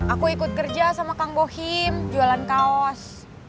aku ikut kerja sama kang bohim jualan kaos